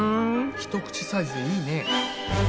一口サイズでいいね。